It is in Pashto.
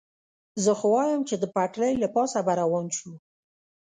زه خو وایم، چې د پټلۍ له پاسه به روان شو.